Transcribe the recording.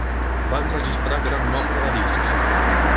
Va enregistrar gran nombre de discs.